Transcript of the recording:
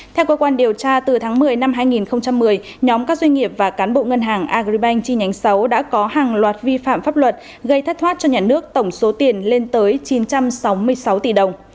theo cơ quan điều tra từ tháng một mươi năm hai nghìn một mươi nhóm các doanh nghiệp và cán bộ ngân hàng agribank chi nhánh sáu đã có hàng loạt vi phạm pháp luật gây thất thoát cho nhà nước tổng số tiền lên tới chín trăm sáu mươi sáu tỷ đồng